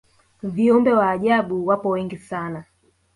viumbe wa ajabu wapo wengi sana